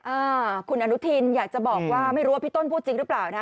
อ่าคุณอนุทินอยากจะบอกว่าไม่รู้ว่าพี่ต้นพูดจริงหรือเปล่านะ